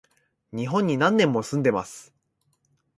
日本に何年も住んでます